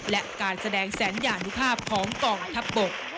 และการแสดงแสนยานุภาพของกองทัพบก